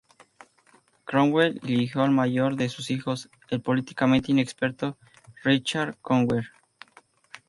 Cromwell eligió al mayor de sus hijos, el políticamente inexperto Richard Cromwell.